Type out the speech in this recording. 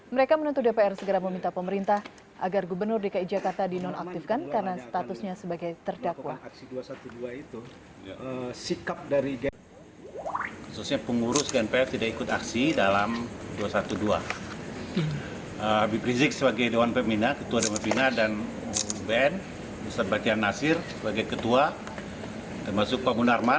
mereka menentu dpr segera meminta pemerintah agar gubernur dki jakarta dinonaktifkan karena statusnya sebagai terdakwa